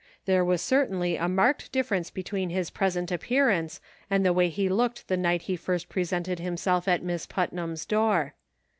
There was certainly a marked difference between his present appearance and the way he looked the night he first presented him self at Miss Putnam's door.